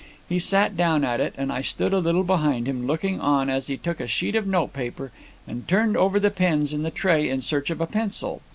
He sat down at it, and I stood a little behind him, looking on as he took a sheet of notepaper and turned over the pens in the tray in search of a pencil.